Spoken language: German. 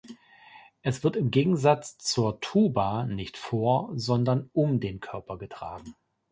Es wird im Gegensatz zur Tuba nicht vor, sondern um den Körper getragen.